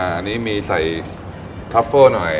อ่าอันนี้มีใส่ทัฟเฟิลหน่อย